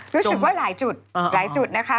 รู้สึกว่าหลายจุดหลายจุดนะคะ